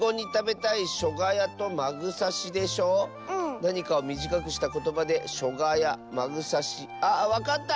なにかをみじかくしたことばで「しょがや」「まぐさし」。あっわかった！